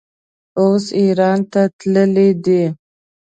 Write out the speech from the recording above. اوس ایران ته تللی دی.